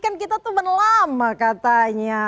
kan kita teman lama katanya